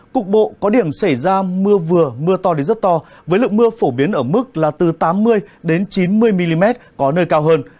cục bộ có điểm xảy ra mưa vừa mưa to đến rất to với lượng mưa phổ biến ở mức là từ tám mươi chín mươi mm có nơi cao hơn